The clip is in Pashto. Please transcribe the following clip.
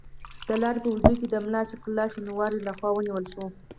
د لارې په اوږدو کې د ملا عاشق الله شینواري له خوا ونیول شو.